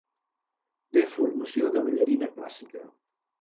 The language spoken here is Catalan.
Té formació de ballarina clàssica.